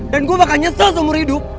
dan gue bakal nyesel seumur hidup